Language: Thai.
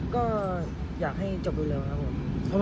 ก็อยากให้จบเร็วครับผม